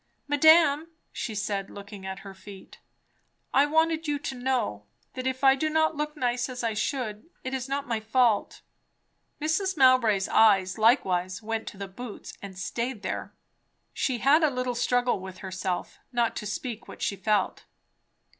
"Madame," she said, looking at her feet, "I wanted you to know, that if I do not look nice as I should, it is not my fault." Mrs. Mowbray's eyes likewise went to the boots, and staid there. She had a little struggle with herself, not to speak what she felt.